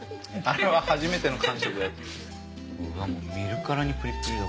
あれは初めての感触だった。